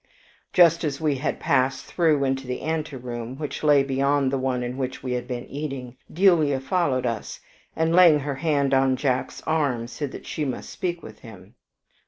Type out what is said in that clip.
Just as we had passed through into the anteroom, which lay beyond the one in which we had been eating, Delia followed us, and laying her hand on Jack's arm, said that she must speak with him.